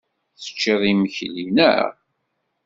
Tecciḍ imekli, naɣ?